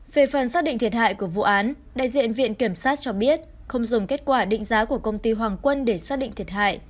về phần xác định thiệt hại của vụ án đại diện viện kiểm sát cho biết không dùng kết quả định giá của công ty hoàng quân để xác định thiệt hại